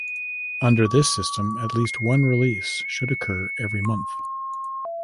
Under this system, at least one release should occur every month.